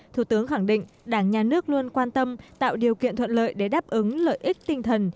thủ tướng khẳng định đảng nhà nước luôn quan tâm tạo điều kiện thuận lợi để đáp ứng lợi ích tinh thần